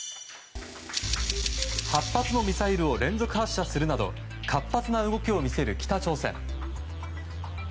８発のミサイルを連続発射するなど活発な動きを見せる北朝鮮。